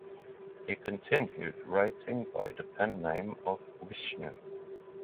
He continued writing by the pen name of 'Vishnu'.